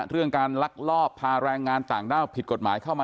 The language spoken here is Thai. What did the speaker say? เรื่องการลักลอบพาแรงงานต่างด้าวผิดกฎหมายเข้ามา